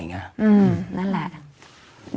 อืมนั่นแหละ